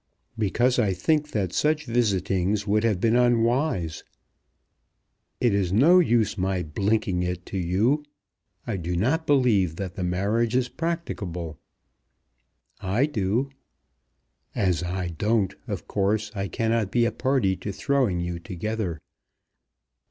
"Because I think that such visitings would have been unwise. It is no use my blinking it to you. I do not believe that the marriage is practicable." "I do." "As I don't, of course I cannot be a party to throwing you together.